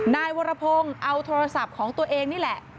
นายวรพงศ์เอาโทรศัพท์ของตัวเองนี่แหละ